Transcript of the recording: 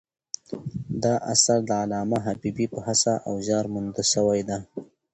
دا اثر د علامه حبیبي په هڅه او زیار مونده سوی دﺉ.